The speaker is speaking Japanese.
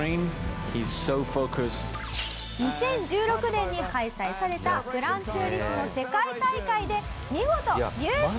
２０１６年に開催された『グランツーリスモ』世界大会で見事優勝！